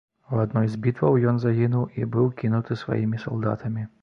У адной з бітваў ён загінуў і быў кінуты сваімі салдатамі.